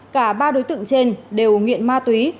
cả ba đối tượng trên đều nghiện ma túy